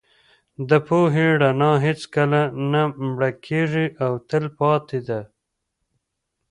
د پوهې رڼا هېڅکله نه مړکېږي او تل پاتې ده.